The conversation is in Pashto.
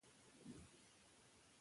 که خبرې وکړو نو جنګ نه پیلیږي.